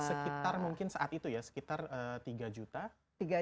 sekitar mungkin saat itu ya sekitar tiga juta